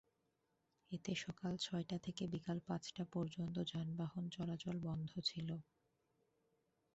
এতে সকাল ছয়টা থেকে বিকেল পাঁচটা পর্যন্ত যানবাহন চলাচল বন্ধ ছিল।